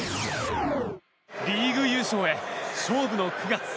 リーグ優勝へ、勝負の９月。